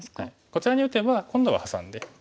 こちらに打てば今度はハサんで。